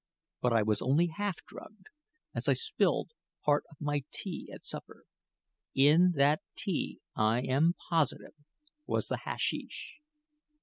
But I was only half drugged, as I spilled part of my tea at supper. In that tea, I am positive, was the hasheesh."